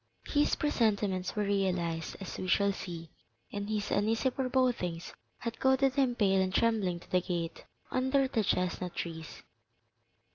His presentiments were realized, as we shall see, and his uneasy forebodings had goaded him pale and trembling to the gate under the chestnut trees.